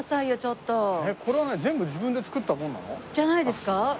全部自分で作ったもんなの？じゃないですか？